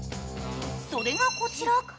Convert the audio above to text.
それがこちら。